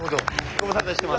ご無沙汰してます。